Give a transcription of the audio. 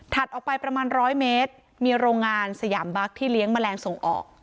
ออกไปประมาณ๑๐๐เมตรมีโรงงานสยามบัคที่เลี้ยงแมลงส่งออก